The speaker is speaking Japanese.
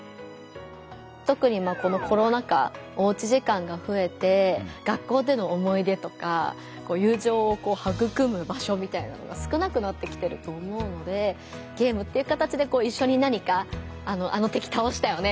とくにこのコロナ禍おうち時間がふえて学校での思い出とか友情をはぐくむ場所みたいなのが少なくなってきてると思うのでゲームっていう形で一緒に何か「あの敵倒したよね」